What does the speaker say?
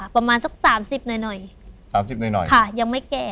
ประมาณสักสามสิบหน่อยหน่อย๓๐หน่อยค่ะยังไม่แก่